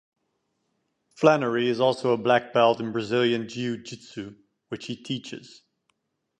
Flanery is also a black belt in Brazilian Jiu-Jitsu, which he teaches.